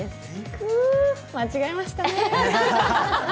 くー、間違えましたね。